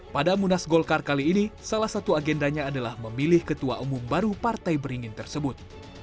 pada munas golkar kali ini salah satu agendanya adalah memilih ketua umum baru partai beringin tersebut